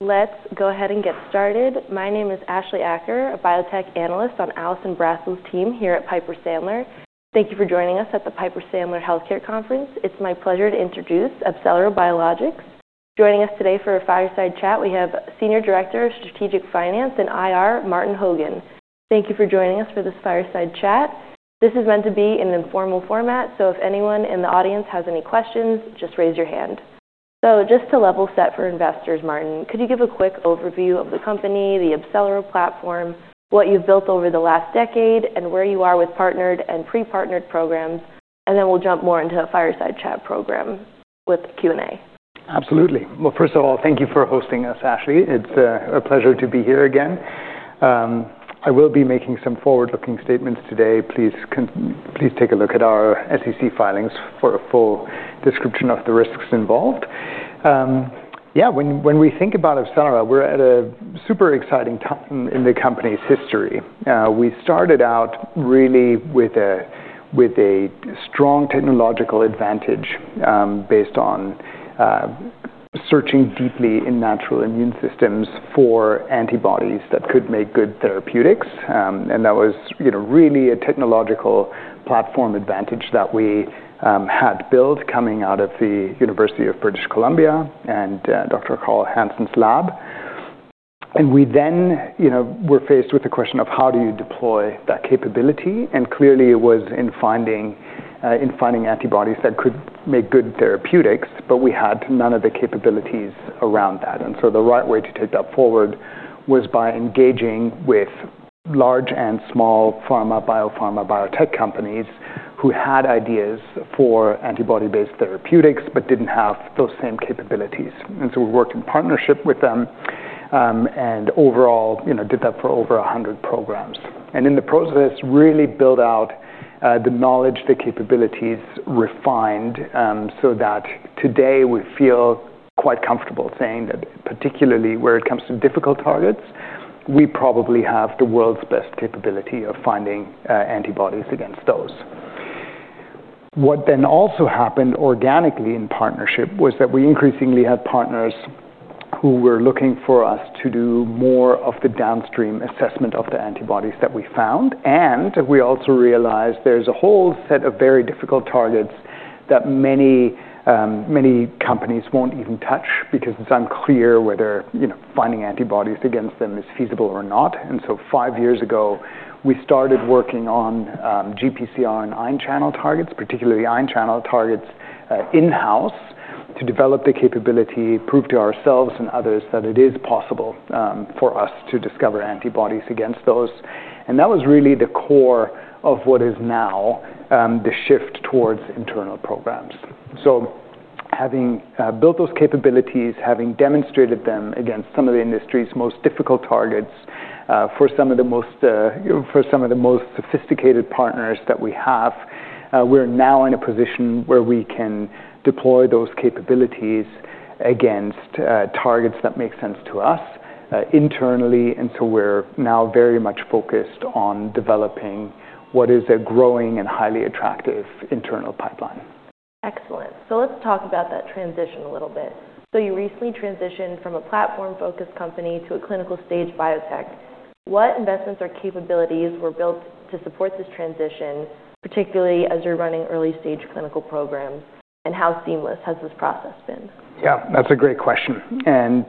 Let's go ahead and get started. My name is Ashleigh Acker, a biotech analyst on Alison Brassel's team here at Piper Sandler. Thank you for joining us at the Piper Sandler Healthcare Conference. It's my pleasure to introduce AbCellera Biologics. Joining us today for a fireside chat we have Senior Director of Strategic Finance and IR, Martin Hogan. Thank you for joining us for this fireside chat. This is meant to be an informal format, so if anyone in the audience has any questions, just raise your hand. So just to level set for investors, Martin, could you give a quick overview of the company, the AbCellera platform, what you've built over the last decade, and where you are with partnered and pre-partnered programs? And then we'll jump more into a fireside chat program with Q&A. Absolutely. Well, first of all, thank you for hosting us, Ashleigh. It's a pleasure to be here again. I will be making some forward-looking statements today. Please take a look at our SEC filings for a full description of the risks involved. Yeah, when we think about AbCellera, we're at a super exciting time in the company's history. We started out really with a strong technological advantage based on searching deeply in natural immune systems for antibodies that could make good therapeutics. And that was really a technological platform advantage that we had built coming out of the University of British Columbia and Dr. Carl Hansen's lab. And we then were faced with the question of how do you deploy that capability? And clearly, it was in finding antibodies that could make good therapeutics, but we had none of the capabilities around that. And so the right way to take that forward was by engaging with large and small pharma, biopharma, biotech companies who had ideas for antibody-based therapeutics but didn't have those same capabilities. And so we worked in partnership with them and overall did that for over 100 programs. And in the process, really built out the knowledge, the capabilities refined so that today we feel quite comfortable saying that, particularly where it comes to difficult targets, we probably have the world's best capability of finding antibodies against those. What then also happened organically in partnership was that we increasingly had partners who were looking for us to do more of the downstream assessment of the antibodies that we found. And we also realized there's a whole set of very difficult targets that many companies won't even touch because it's unclear whether finding antibodies against them is feasible or not. Five years ago, we started working on GPCR and Ion Channel Targets, particularly Ion Channel Targets in-house, to develop the capability, prove to ourselves and others that it is possible for us to discover antibodies against those. That was really the core of what is now the shift towards internal programs. Having built those capabilities, having demonstrated them against some of the industry's most difficult targets for some of the most sophisticated partners that we have, we're now in a position where we can deploy those capabilities against targets that make sense to us internally. We're now very much focused on developing what is a growing and highly attractive internal pipeline. Excellent. So let's talk about that transition a little bit. So you recently transitioned from a platform-focused company to a clinical-stage biotech. What investments or capabilities were built to support this transition, particularly as you're running early-stage clinical programs? And how seamless has this process been? Yeah, that's a great question. And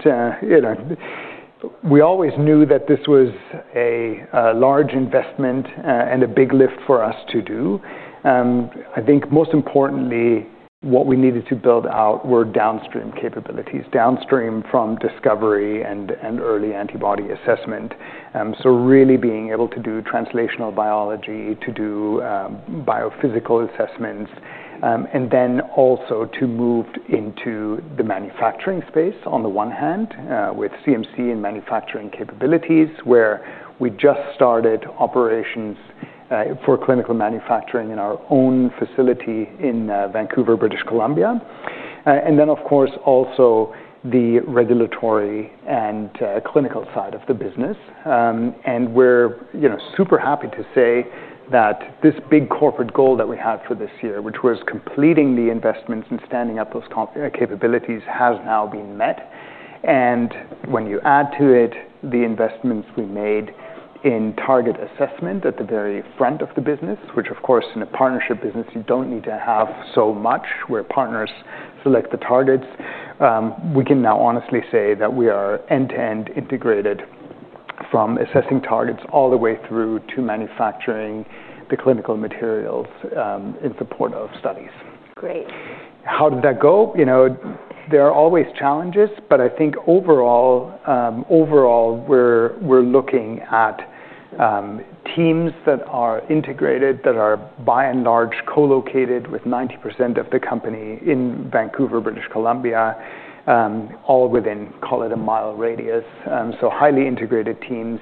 we always knew that this was a large investment and a big lift for us to do. I think most importantly, what we needed to build out were downstream capabilities, downstream from discovery and early antibody assessment. So, really being able to do translational biology, to do biophysical assessments, and then also to move into the manufacturing space on the one hand with CMC and manufacturing capabilities, where we just started operations for clinical manufacturing in our own facility in Vancouver, British Columbia. And then, of course, also the regulatory and clinical side of the business. And we're super happy to say that this big corporate goal that we had for this year, which was completing the investments and standing up those capabilities, has now been met. When you add to it the investments we made in target assessment at the very front of the business, which, of course, in a partnership business, you don't need to have so much where partners select the targets, we can now honestly say that we are end-to-end integrated from assessing targets all the way through to manufacturing the clinical materials in support of studies. Great. How did that go? There are always challenges, but I think overall, we're looking at teams that are integrated, that are by and large co-located with 90% of the company in Vancouver, British Columbia, all within, call it a mile radius. So highly integrated teams,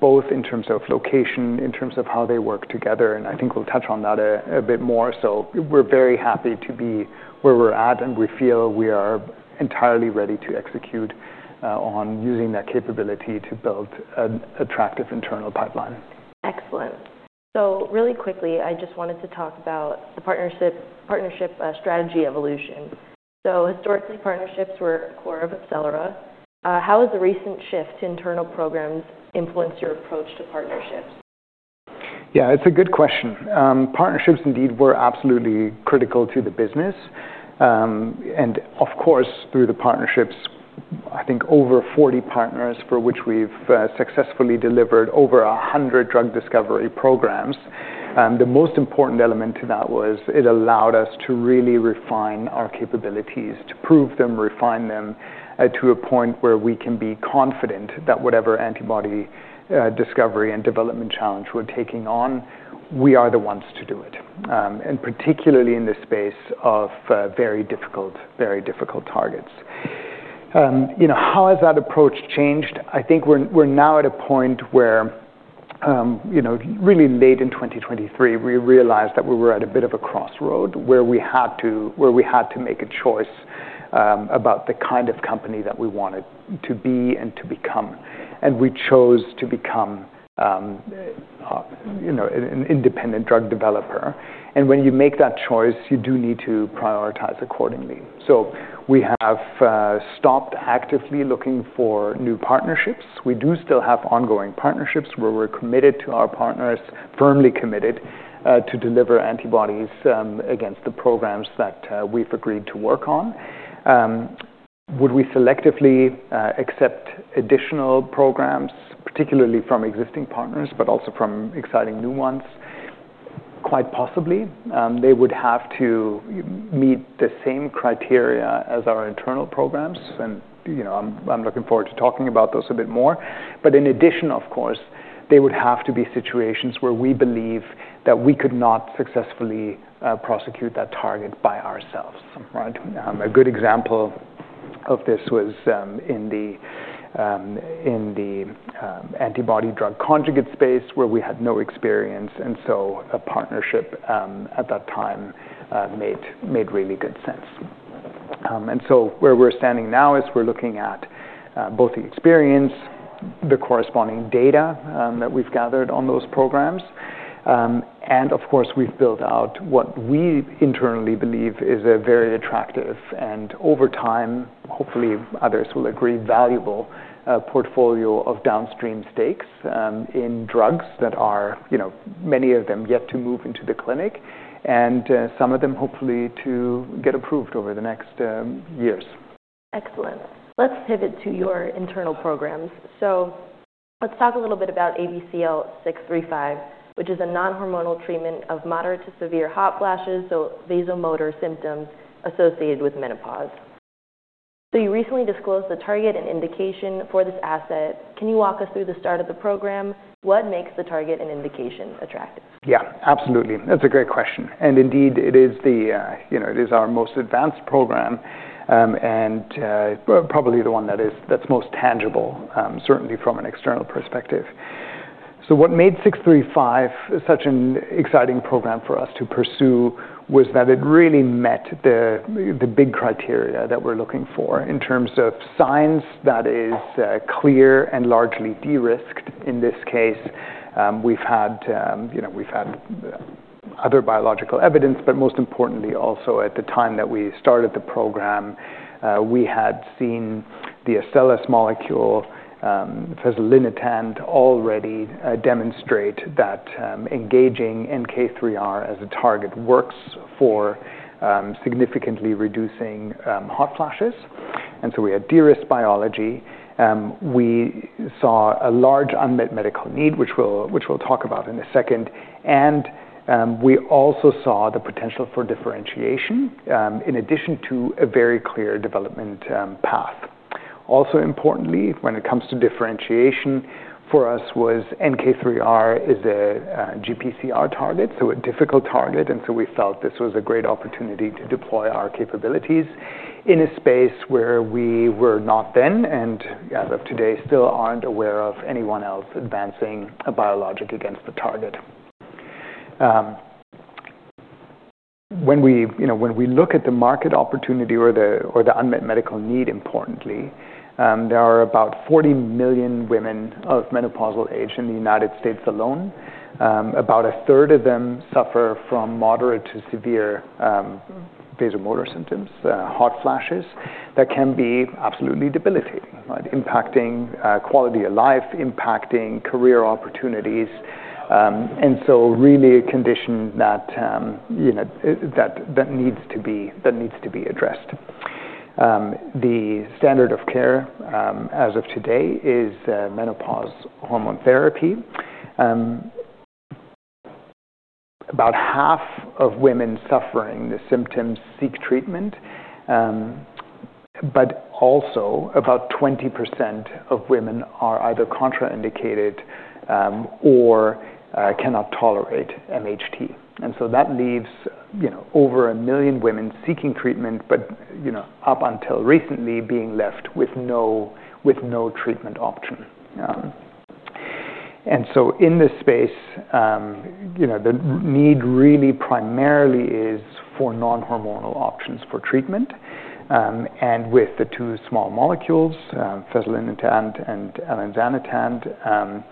both in terms of location, in terms of how they work together. And I think we'll touch on that a bit more. So we're very happy to be where we're at, and we feel we are entirely ready to execute on using that capability to build an attractive internal pipeline. Excellent. So, really quickly, I just wanted to talk about the partnership strategy evolution. So historically, partnerships were a core of AbCellera. How has the recent shift to internal programs influenced your approach to partnerships? Yeah, it's a good question. Partnerships indeed were absolutely critical to the business. And of course, through the partnerships, I think over 40 partners for which we've successfully delivered over 100 drug discovery programs. The most important element to that was it allowed us to really refine our capabilities, to prove them, refine them to a point where we can be confident that whatever antibody discovery and development challenge we're taking on, we are the ones to do it, and particularly in the space of very difficult, very difficult targets. How has that approach changed? I think we're now at a point where, really late in 2023, we realized that we were at a bit of a crossroad where we had to make a choice about the kind of company that we wanted to be and to become. And we chose to become an independent drug developer. When you make that choice, you do need to prioritize accordingly. We have stopped actively looking for new partnerships. We do still have ongoing partnerships where we're committed to our partners, firmly committed to deliver antibodies against the programs that we've agreed to work on. Would we selectively accept additional programs, particularly from existing partners, but also from exciting new ones? Quite possibly. They would have to meet the same criteria as our internal programs. I'm looking forward to talking about those a bit more. In addition, of course, they would have to be situations where we believe that we could not successfully prosecute that target by ourselves. A good example of this was in the antibody drug conjugate space, where we had no experience. A partnership at that time made really good sense. And so, where we're standing now is we're looking at both the experience, the corresponding data that we've gathered on those programs. And of course, we've built out what we internally believe is a very attractive and, over time, hopefully others will agree, valuable portfolio of downstream stakes in drugs that are many of them yet to move into the clinic and some of them hopefully to get approved over the next years. Excellent. Let's pivot to your internal programs. So let's talk a little bit about ABCL635, which is a non-hormonal treatment of moderate to severe hot flashes, so vasomotor symptoms associated with menopause. So you recently disclosed the target and indication for this asset. Can you walk us through the start of the program? What makes the target and indication attractive? Yeah, absolutely. That's a great question, and indeed, it is our most advanced program and probably the one that's most tangible, certainly from an external perspective, so what made 635 such an exciting program for us to pursue was that it really met the big criteria that we're looking for in terms of science that is clear and largely de-risked. In this case, we've had other biological evidence, but most importantly, also at the time that we started the program, we had seen the AbCellera molecule as a fezolinetant already demonstrate that engaging NK3R as a target works for significantly reducing hot flashes, and so we had de-risked biology. We saw a large unmet medical need, which we'll talk about in a second, and we also saw the potential for differentiation in addition to a very clear development path. Also importantly, when it comes to differentiation, for us was NK3R is a GPCR target, so a difficult target. And so we felt this was a great opportunity to deploy our capabilities in a space where we were not then and, as of today, still aren't aware of anyone else advancing a biologic against the target. When we look at the market opportunity or the unmet medical need, importantly, there are about 40 million women of menopausal age in the United States alone. About a third of them suffer from moderate to severe vasomotor symptoms, hot flashes that can be absolutely debilitating, impacting quality of life, impacting career opportunities. And so, really, a condition that needs to be addressed. The standard of care as of today is menopause hormone therapy. About half of women suffering the symptoms seek treatment, but also about 20% of women are either contraindicated or cannot tolerate MHT. And so that leaves over a million women seeking treatment, but up until recently, being left with no treatment option. And so in this space, the need really primarily is for non-hormonal options for treatment. And with the two small molecules, fezolinetant and elinzanetant,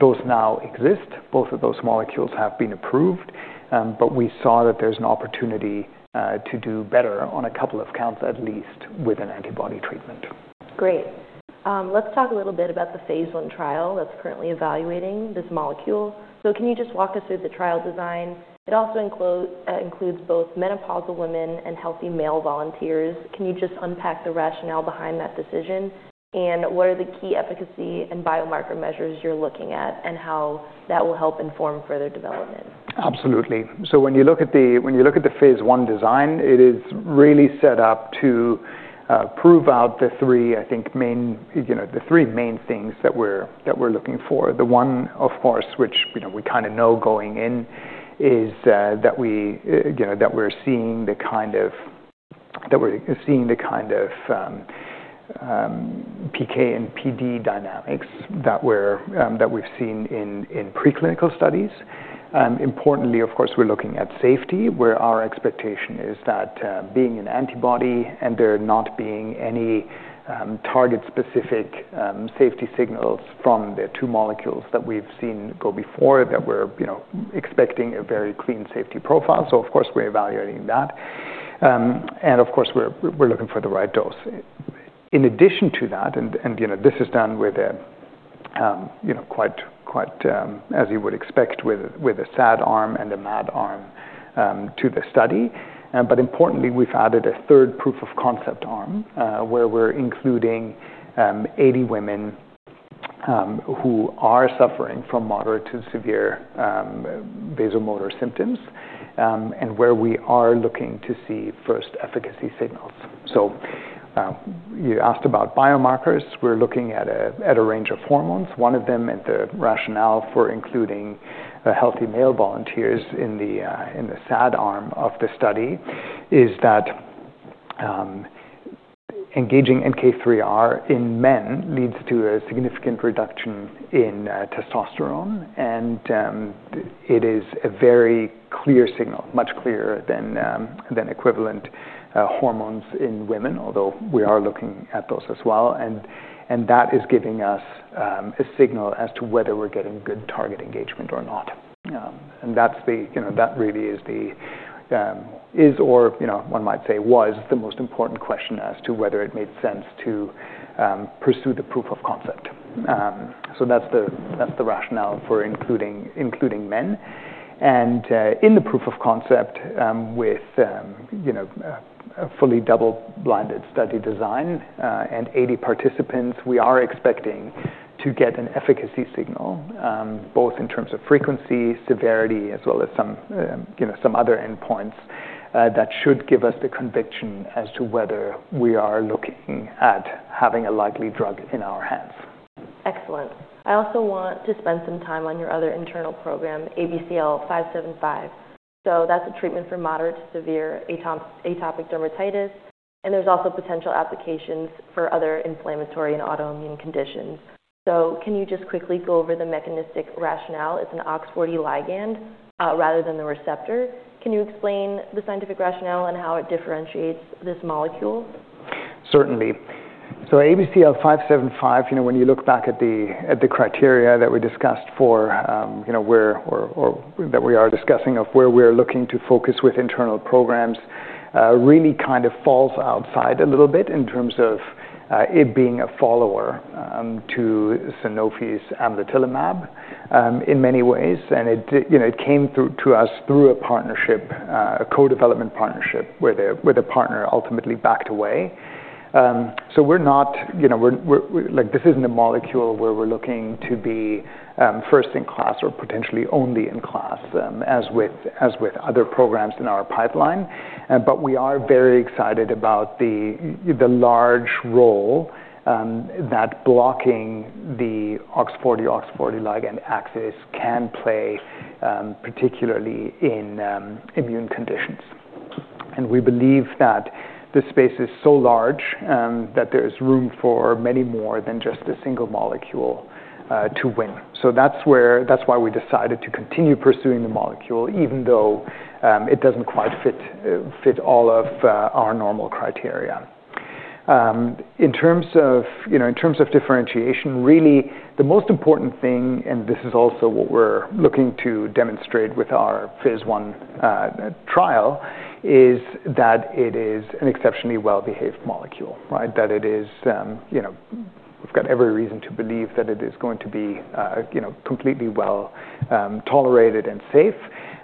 those now exist. Both of those molecules have been approved, but we saw that there's an opportunity to do better on a couple of counts, at least with an antibody treatment. Great. Let's talk a little bit about the phase I trial that's currently evaluating this molecule. So, can you just walk us through the trial design? It also includes both menopausal women and healthy male volunteers. Can you just unpack the rationale behind that decision? And what are the key efficacy and biomarker measures you're looking at, and how that will help inform further development? Absolutely. So when you look at the phase I design, it is really set up to prove out the three, I think, the three main things that we're looking for. The one, of course, which we kind of know going in is that we're seeing the kind of PK and PD dynamics that we've seen in preclinical studies. Importantly, of course, we're looking at safety, where our expectation is that being an antibody and there not being any target-specific safety signals from the two molecules that we've seen go before that we're expecting a very clean safety profile, so of course, we're evaluating that, and of course, we're looking for the right dose. In addition to that, and this is done with a quiet, as you would expect, with a SAD arm and a MAD arm to the study. But importantly, we've added a third proof of concept arm where we're including 80 women who are suffering from moderate to severe vasomotor symptoms and where we are looking to see first efficacy signals. So you asked about biomarkers. We're looking at a range of hormones. One of them and the rationale for including healthy male volunteers in the SAD arm of the study is that engaging NK3R in men leads to a significant reduction in testosterone. And it is a very clear signal, much clearer than equivalent hormones in women, although we are looking at those as well. And that is giving us a signal as to whether we're getting good target engagement or not. And that really is the, or one might say was, the most important question as to whether it made sense to pursue the proof of concept. So that's the rationale for including men. In the proof of concept, with a fully double-blinded study design and 80 participants, we are expecting to get an efficacy signal both in terms of frequency, severity, as well as some other endpoints that should give us the conviction as to whether we are looking at having a likely drug in our hands. Excellent. I also want to spend some time on your other internal program, ABCL575. So that's a treatment for moderate to severe atopic dermatitis. And there's also potential applications for other inflammatory and autoimmune conditions. So, can you just quickly go over the mechanistic rationale? It's an OX40 ligand rather than the receptor. Can you explain the scientific rationale and how it differentiates this molecule? Certainly. So ABCL575, when you look back at the criteria that we discussed for that we are discussing of where we're looking to focus with internal programs, really kind of falls outside a little bit in terms of it being a follower to Sanofi's amlitelimab in many ways. And it came to us through a partnership, a co-development partnership where the partner ultimately backed away. So, we're not this isn't a molecule where we're looking to be first in class or potentially only in class, as with other programs in our pipeline. But we are very excited about the large role that blocking the OX40, OX40 ligand axis can play, particularly in immune conditions. And we believe that the space is so large that there's room for many more than just a single molecule to win. So that's why we decided to continue pursuing the molecule, even though it doesn't quite fit all of our normal criteria. In terms of differentiation, really the most important thing, and this is also what we're looking to demonstrate with our phase I trial, is that it is an exceptionally well-behaved molecule that it is, we've got every reason to believe that it is going to be completely well-tolerated and safe.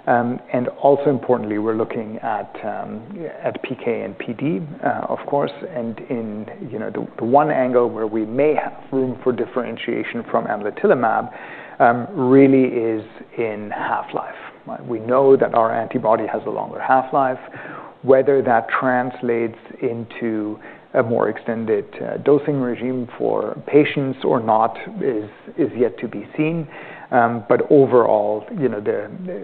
And also importantly, we're looking at PK and PD, of course. And in the one angle where we may have room for differentiation from amlitelimab really is in half-life. We know that our antibody has a longer half-life. Whether that translates into a more extended dosing regime for patients or not is yet to be seen. But overall,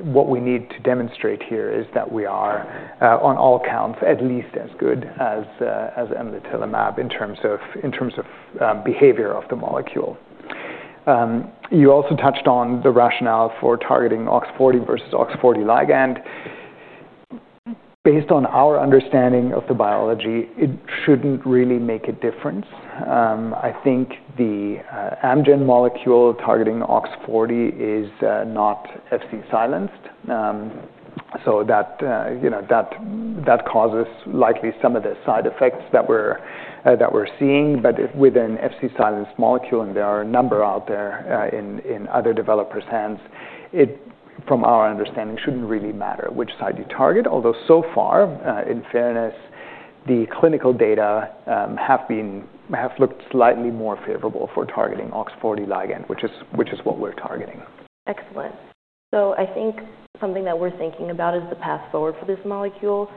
what we need to demonstrate here is that we are on all counts at least as good as amlitelimab in terms of behavior of the molecule. You also touched on the rationale for targeting OX40 versus OX40 ligand. Based on our understanding of the biology, it shouldn't really make a difference. I think the Amgen molecule targeting OX40 is not Fc-silenced. So that causes likely some of the side effects that we're seeing. But with an Fc-silenced molecule, and there are a number out there in other developers' hands, it, from our understanding, shouldn't really matter which side you target. Although so far, in fairness, the clinical data have looked slightly more favorable for targeting OX40 ligand, which is what we're targeting. Excellent. So I think something that we're thinking about is the path forward for this molecule.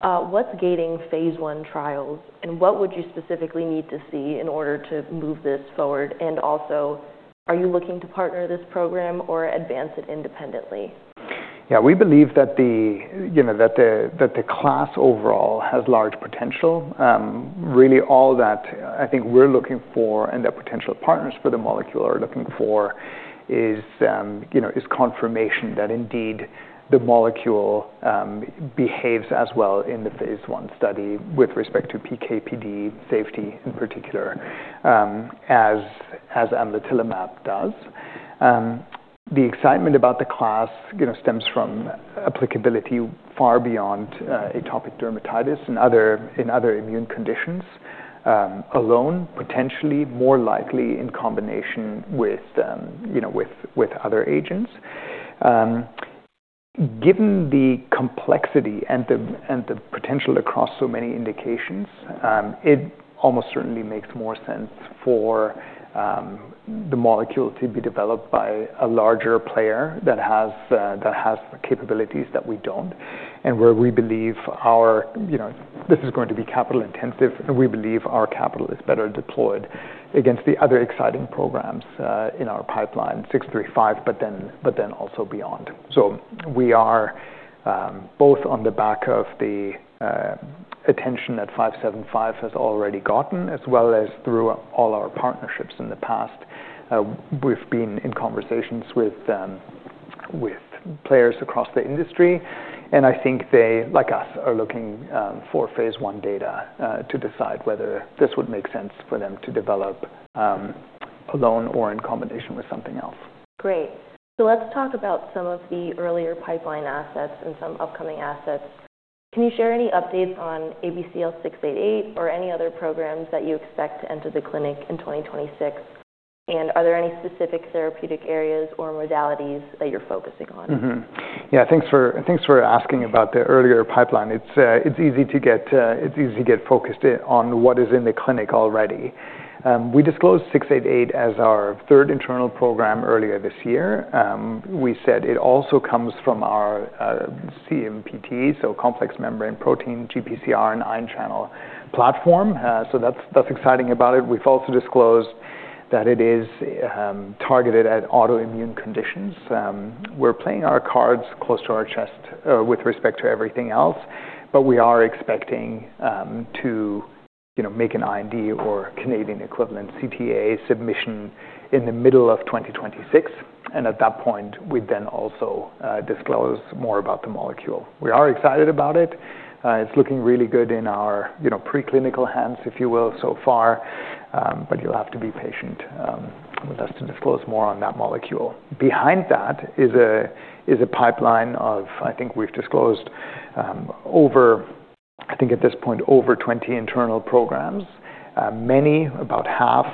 What's gating phase I trials? And what would you specifically need to see in order to move this forward? And also, are you looking to partner this program or advance it independently? Yeah, we believe that the class overall has large potential. Really, all that I think we're looking for and the potential partners for the molecule are looking for is confirmation that indeed the molecule behaves as well in the phase I study with respect to PK, PD safety in particular, as amlitelimab does. The excitement about the class stems from applicability far beyond atopic dermatitis and other immune conditions alone, potentially more likely in combination with other agents. Given the complexity and the potential across so many indications, it almost certainly makes more sense for the molecule to be developed by a larger player that has the capabilities that we don't, and where we believe this is going to be capital intensive, and we believe our capital is better deployed against the other exciting programs in our pipeline, 635, but then also beyond. So we are both on the back of the attention that 575 has already gotten, as well as through all our partnerships in the past. We've been in conversations with players across the industry. And I think they, like us, are looking for phase I data to decide whether this would make sense for them to develop alone or in combination with something else. Great. So let's talk about some of the earlier pipeline assets and some upcoming assets. Can you share any updates on ABCL688 or any other programs that you expect to enter the clinic in 2026? And are there any specific therapeutic areas or modalities that you're focusing on? Yeah, thanks for asking about the earlier pipeline. It's easy to get focused on what is in the clinic already. We disclosed 688 as our Third Internal Program earlier this year. We said it also comes from our CMPT, so Complex Membrane Protein, GPCR, and Ion Channel Platform. So that's exciting about it. We've also disclosed that it is targeted at autoimmune conditions. We're playing our cards close to our chest with respect to everything else, but we are expecting to make an IND or Canadian equivalent CTA submission in the middle of 2026. And at that point, we'd then also disclose more about the molecule. We are excited about it. It's looking really good in our preclinical hands, if you will, so far. But you'll have to be patient with us to disclose more on that molecule. Behind that is a pipeline of, I think we've disclosed over, I think at this point, over 20 internal programs. Many, about half,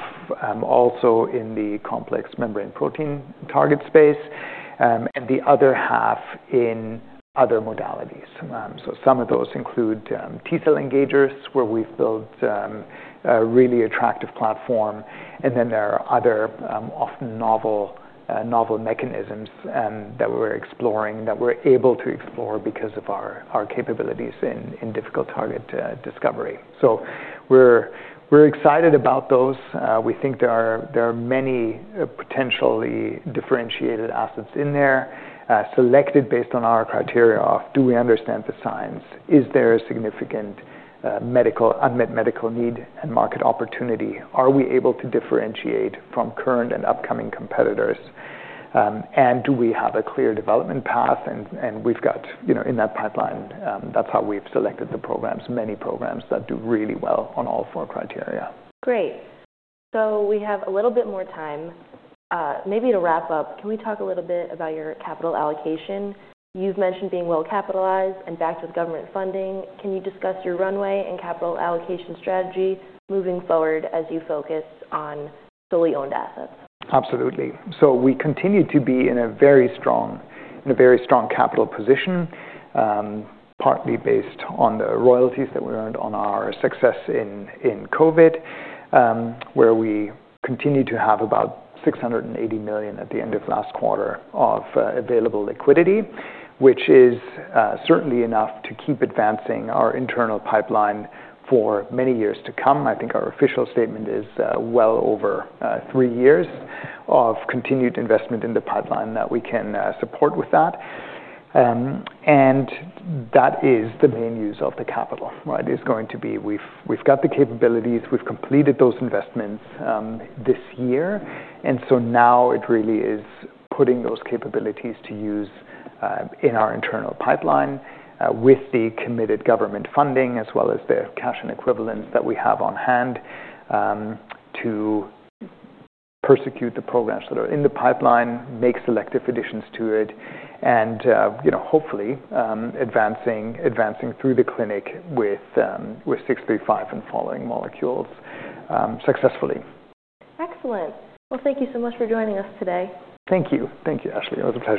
also in the Complex Membrane Protein Target space, and the other half in other modalities, so some of those include T-cell engagers, where we've built a really attractive platform, and then there are other often novel mechanisms that we're exploring that we're able to explore because of our capabilities in difficult target discovery. So we're excited about those. We think there are many potentially differentiated assets in there selected based on our criteria of, do we understand the science? Is there a significant unmet medical need and market opportunity? Are we able to differentiate from current and upcoming competitors? And do we have a clear development path? We've got in that pipeline, that's how we've selected the programs, many programs that do really well on all four criteria. Great. So we have a little bit more time. Maybe to wrap up, can we talk a little bit about your capital allocation? You've mentioned being well-capitalized and backed with government funding. Can you discuss your runway and capital allocation strategy moving forward as you focus on fully owned assets? Absolutely, so we continue to be in a very strong capital position, partly based on the royalties that we earned on our success in COVID, where we continue to have about $680 million at the end of last quarter of available liquidity, which is certainly enough to keep advancing our internal pipeline for many years to come. I think our official statement is well over three years of continued investment in the pipeline that we can support with that. And that is the main use of the capital, is going to be we've got the capabilities, we've completed those investments this year. So now it really is putting those capabilities to use in our internal pipeline with the committed government funding, as well as the cash and equivalents that we have on hand to pursue the programs that are in the pipeline, make selective additions to it, and hopefully advancing through the clinic with 635 and following molecules successfully. Excellent. Well, thank you so much for joining us today. Thank you. Thank you, Ashleigh. It was a pleasure.